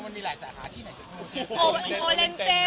สินสอดละค่าใหญ่คน